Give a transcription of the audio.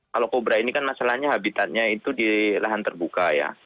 kalau kobra ini kan masalahnya habitatnya itu di lahan terbuka ya